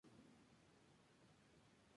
En España en la Bahía de Cádiz.